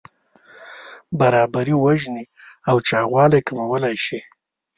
برابري وژنې او چاغوالی کمولی شي.